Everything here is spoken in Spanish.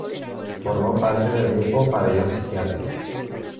Formó parte del grupo Pabellón psiquiátrico.